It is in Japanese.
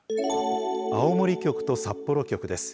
青森局と札幌局です。